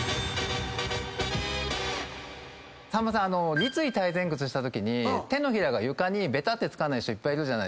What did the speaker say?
さんまさん立位体前屈したときに手のひらが床にべたってつかない人いっぱいいる。